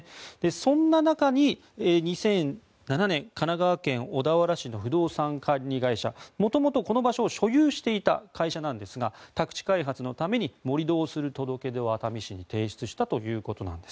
そんな中、２００７年神奈川県小田原市の不動産管理会社元々この場所を所有していた会社なんですが宅地開発のために盛り土をする届け出を熱海市に提出したということです。